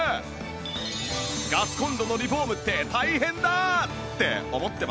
ガスコンロのリフォームって大変だ！って思ってません？